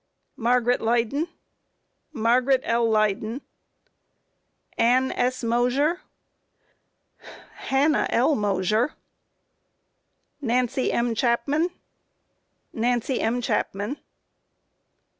Q. Margaret Leyden? A. Margaret L. Leyden. Q. Ann S. Mosher? A. Hannah L. Mosher. Q. Nancy M. Chapman? A. Nancy M. Chapman.